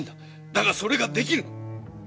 だがそれができぬ！